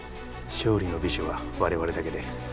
勝利の美酒は我々だけで。